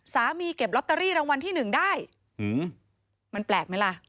สามีเก็บล็อตเตอรี่รางวัลที่๑ได้มันแปลกมั้ยล่ะ